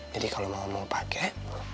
jadi kalau mama mau pakai